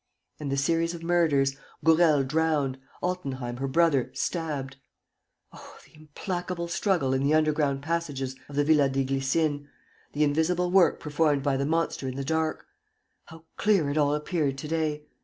And the series of murders: Gourel drowned; Altenheim, her brother, stabbed. Oh, the implacable struggle in the underground passages of the Villa des Glycines, the invisible work performed by the monster in the dark: how clear it all appeared to day!